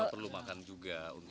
perlu makan juga untuk tetap bisa